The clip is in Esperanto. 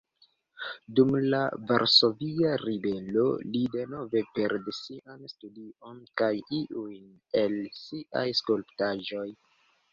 Dum la Varsovia Ribelo li denove perdis sian studion kaj iujn el siaj skulptaĵoj.